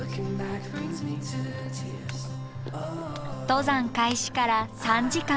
登山開始から３時間。